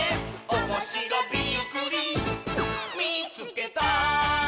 「おもしろびっくりみいつけた！」